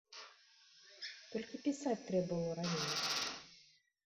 Толькі пісаць трэ было раней.